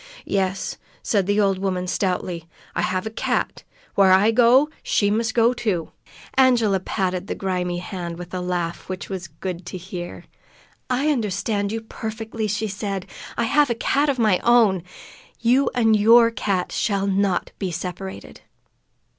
"Yes," said the old woman stoutly. "I have a cat. Where I go, she must go, too!" Angela patted the grimy hand, with a laugh which was good to hear. "I understand you perfectly," she said. "I have a cat of my own. You and your cat shall not be separated."